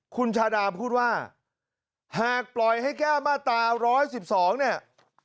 คุณชาดาพูดว่าหากปล่อยให้แก้มาตาร้อยสิบสองเนี่ย